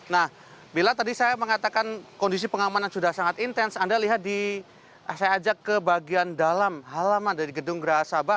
nah bila tadi saya mengatakan kondisi pengamanan sudah sangat intens anda lihat di saya ajak ke bagian dalam halaman dari gedung geraha sabah